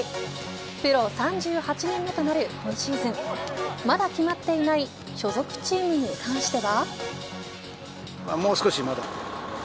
プロ３８年目となる今シーズンまだ決まっていない所属チームに関しては。